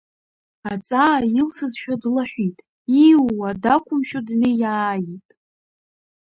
Аҵаа илсызшәа длаҳәит, ииуа дақәымшәо днеиааиит.